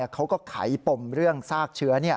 เขาก็ไขปมเรื่องซากเชื้อ